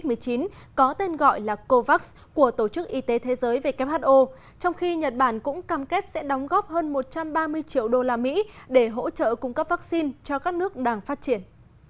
covid một mươi chín có tên gọi là covax của tổ chức y tế thế giới who trong khi nhật bản cũng cam kết sẽ đóng góp hơn một trăm ba mươi triệu đô la mỹ để hỗ trợ cung cấp vaccine cho các nước đang phát triển